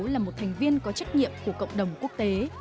là một thành viên có trách nhiệm của cộng đồng quốc tế